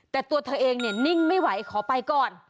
แต่ตัวเธอเองเนี่ยนิ่งไม่ไหวขอไปก่อน